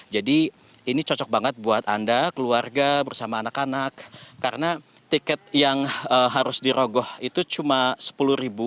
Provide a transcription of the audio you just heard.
jadi ini cocok banget buat anda keluarga bersama anak anak karena tiket yang harus dirogoh itu cuma rp sepuluh